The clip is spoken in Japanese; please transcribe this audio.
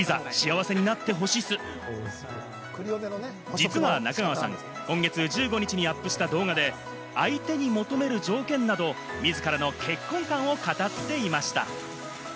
実は中川さん、今月１５日にアップした動画で相手に求める条件など、みずからの結婚観を語っていました。